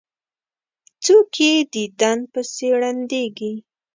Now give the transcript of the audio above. څوک یې دیدن پسې ړندیږي.